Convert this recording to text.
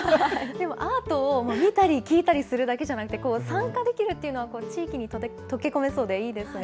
でもアートを見たり聞いたりするだけじゃなくて、参加できるっていうのは、地域に溶け込めそうでいいですね。